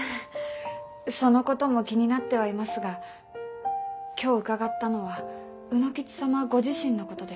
そのことも気になってはいますが今日伺ったのは卯之吉様ご自身のことです。